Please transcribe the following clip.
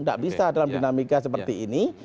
tidak bisa dalam dinamika seperti ini